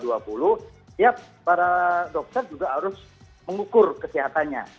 setiap para dokter juga harus mengukur kesehatannya